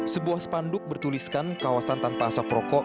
sebuah spanduk bertuliskan kawasan tanpa asap rokok